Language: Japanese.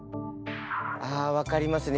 あ分かりますね。